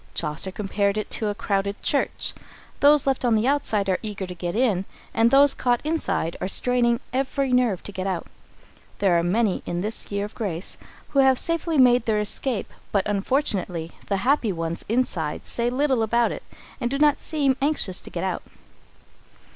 Chaucer compared it to a crowded church. Those left on the outside are eager to get in, and those caught inside are straining every nerve to get out. There are many, in this year of grace, who have safely made their escape, but, unfortunately, the happy ones inside say little about it, and do not seem anxious to get out.